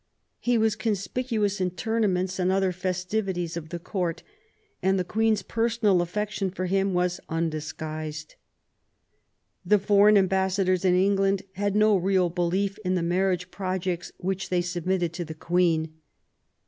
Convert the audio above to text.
He was conspicuous in tournaments and other festivities of the Court, and the Queen's personal affection for him was undis guised. The foreign ambassadors in England had no real belief in the marriage projects which they submitted to the Queen.